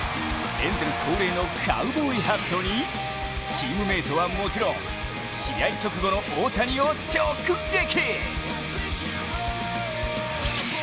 エンゼルス恒例のカウボーイハットにチームメイトはもちろん試合直後の大谷選手を直撃。